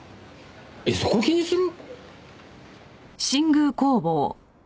えっそこ気にする？